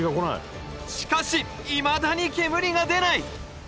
しかしいまだに煙が出ない